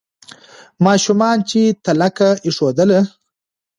ماشومانو چي تلکه ایښودله